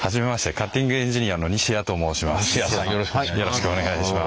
カッティングエンジニアの西谷と申します。